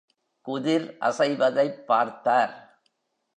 குதிர் அசைவதைப் பார்த்தார்.